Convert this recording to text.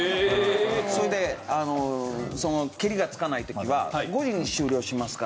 それでけりがつかない時は５時に終了しますから撮影必ず。